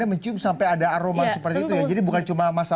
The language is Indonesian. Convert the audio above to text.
anda mencium sampai ada aroma seperti itu ya